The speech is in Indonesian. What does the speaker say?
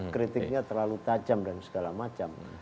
kritiknya terlalu tajam dan segala macam